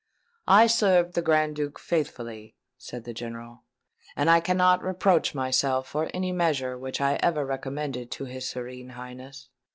"I served the Grand Duke faithfully," said the General; "and I cannot reproach myself for any measure which I ever recommended to his Serene Highness.